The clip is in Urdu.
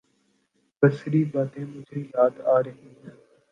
بسری باتیں مجھے یاد آ رہی ہیں۔